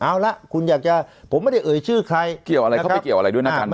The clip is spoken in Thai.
เอาละคุณอยากจะผมไม่ได้เอ่ยชื่อใครเกี่ยวอะไรเขาไม่เกี่ยวอะไรด้วยนะ